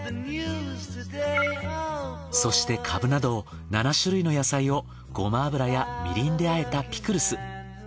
そしてカブなど７種類の野菜をごま油やみりんで和えたピクルス。